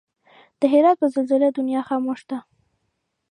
د هرات په زلزله دنيا خاموش ده